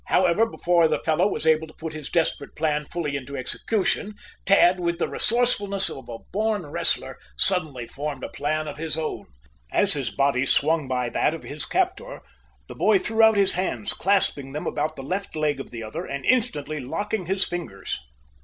However, before the fellow was able to put his desperate plan fully into execution, Tad, with the resourcefulness of a born wrestler, suddenly formed a plan of his own. As his body swung by that of his captor, the boy threw out his hands, clasping them about the left leg of the other and instantly locking his fingers.